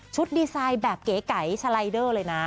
ดีไซน์แบบเก๋สไลเดอร์เลยนะ